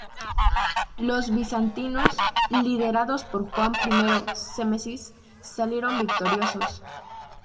Los bizantinos, liderados por Juan I Tzimisces, salieron victoriosos.